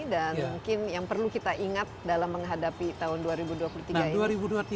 dan mungkin yang perlu kita ingat dalam menghadapi tahun dua ribu dua puluh tiga ini